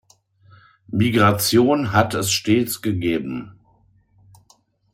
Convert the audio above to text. Migrationen hat es stets gegeben.